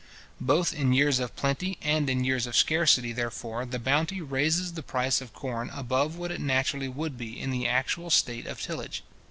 Both in years of plenty and in years of scarcity, therefore, the bounty raises the price of corn above what it naturally would be in the actual state of tillage.